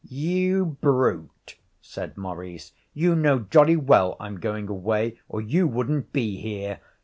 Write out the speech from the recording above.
'You brute,' said Maurice; 'you know jolly well I'm going away, or you wouldn't be here.'